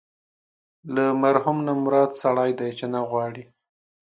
له محروم نه مراد سړی دی چې نه غواړي.